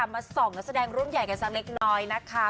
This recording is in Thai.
มาส่องนักแสดงรุ่นใหญ่กันสักเล็กน้อยนะคะ